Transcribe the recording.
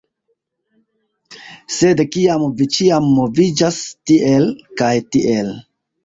Sed kiam vi ĉiam moviĝas tiel kaj tiel